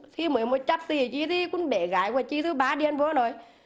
thì mới một chặt gì thì cũng bể gái của chị thứ ba điên vô rồi